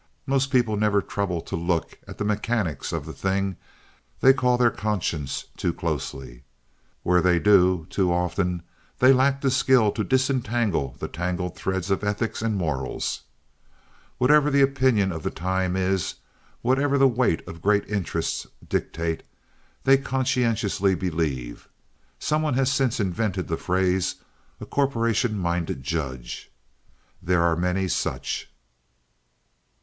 Most people never trouble to look into the mechanics of the thing they call their conscience too closely. Where they do, too often they lack the skill to disentangle the tangled threads of ethics and morals. Whatever the opinion of the time is, whatever the weight of great interests dictates, that they conscientiously believe. Some one has since invented the phrase "a corporation minded judge." There are many such.